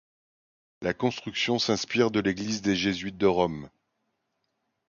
La construction s’inspire de l’église des Jésuites de Rome.